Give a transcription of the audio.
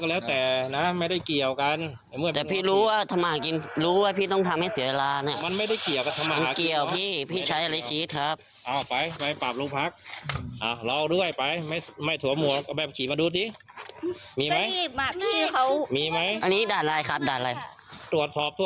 อาจจะมีคลิปให้ดูต่อค่ะ